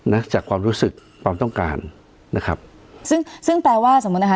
นะจากความรู้สึกความต้องการนะครับซึ่งซึ่งแปลว่าสมมุตินะคะ